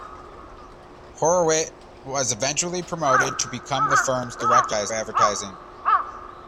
Horwitt was eventually promoted to become the firm's director of advertising.